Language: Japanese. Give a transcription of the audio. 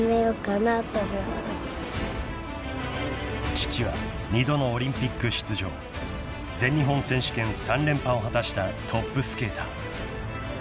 ［父は二度のオリンピック出場］［全日本選手権３連覇を果たしたトップスケーター］